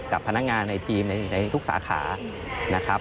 กับพนักงานในทีมในทุกสาขานะครับ